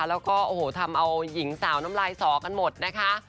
แล้วก็โอ้โหทำเอาหญิงสาวน้ำลายสอกันหมดนะคะ